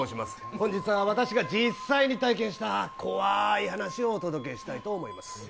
本日は私が実際に体験した怖い話をお届けしたいと思います。